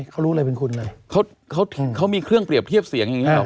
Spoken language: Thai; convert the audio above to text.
เขารู้เลยเป็นคนอะไรเขามีเครื่องเปรียบเทียบเสียงอย่างนี้หรอ